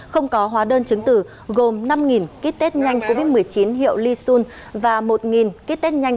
không có hóa đơn chứng từ gồm năm kit test nhanh covid một mươi chín hiệu lysun và một kit test nhanh